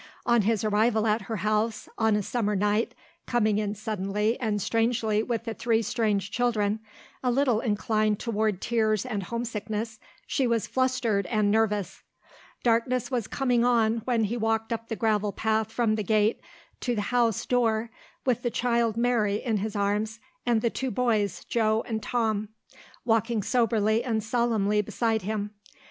On his arrival at her house, on a summer night, coming in suddenly and strangely with the three strange children a little inclined toward tears and homesickness she was flustered and nervous. Darkness was coming on when he walked up the gravel path from the gate to the house door with the child Mary in his arms and the two boys, Joe and Tom, walking soberly and solemnly beside him.